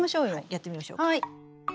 やってみましょうか。